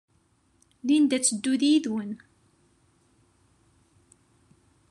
Linda ad teddu yid-went.